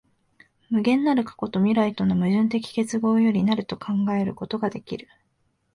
無限なる過去と未来との矛盾的結合より成ると考えることができる。